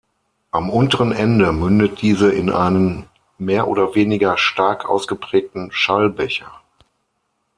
Am unteren Ende mündet diese in einen mehr oder weniger stark ausgeprägten Schallbecher.